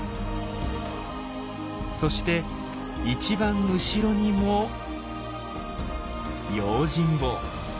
そして一番後ろにも用心棒。